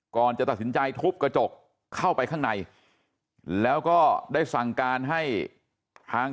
ก่อนจะตัดสินใจทุบกระจกเข้าไปข้างในแล้วก็ได้สั่งการให้ทาง